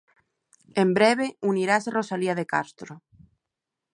En breve unirase Rosalía de Castro.